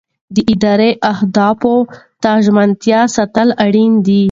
د ادارې اهدافو ته ژمنتیا ساتل اړینه ده.